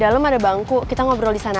di dalam ada bangku kita ngobrol disana aja ya